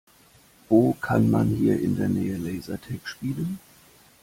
Wo kann man hier in der Nähe Lasertag spielen?